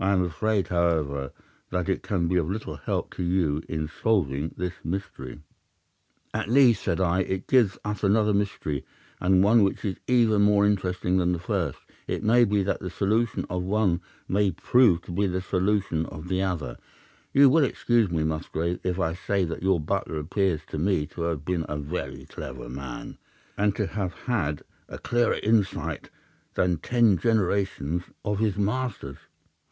'I am afraid, however, that it can be of little help to you in solving this mystery.' "'At least,' said I, 'it gives us another mystery, and one which is even more interesting than the first. It may be that the solution of the one may prove to be the solution of the other. You will excuse me, Musgrave, if I say that your butler appears to me to have been a very clever man, and to have had a clearer insight than ten generations of his masters.